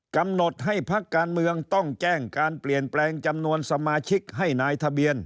กำหนดให้พักการเมืองต้องแจ้งการเปลี่ยนแปลงจำนวนสมาชิกให้นายทะเบียน